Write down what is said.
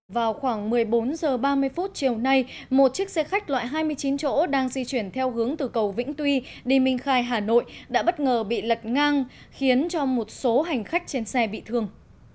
vào khoảng một mươi bốn h ba mươi chiều nay một chiếc xe khách loại hai mươi chín chỗ đang di chuyển theo hướng từ cầu vĩnh tuy đi minh khai hà nội đã bất ngờ bị lật ngang khiến cho một số hành khách trên xe bị thương